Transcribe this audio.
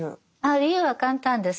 理由は簡単です。